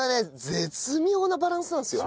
絶妙なバランスなんですよ。